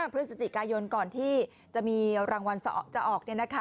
พฤศจิกายนก่อนที่จะมีรางวัลจะออก